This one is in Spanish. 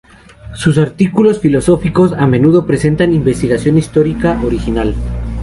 Sus artículos filosóficos a menudo presentan investigación histórica original.